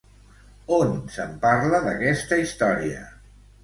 On se'n parla, d'aquesta història?